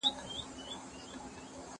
هغه وويل چي درسونه تيارول ضروري دي!